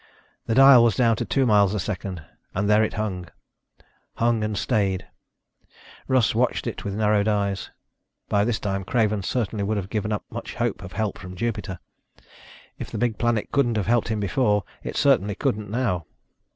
The dial was down to two miles a second and there it hung. Hung and stayed. Russ watched it with narrowed eyes. By this time Craven certainly would have given up much hope of help from Jupiter. If the big planet couldn't have helped him before, it certainly couldn't now.